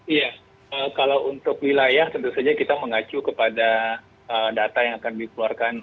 iya kalau untuk wilayah tentu saja kita mengacu kepada data yang akan dikeluarkan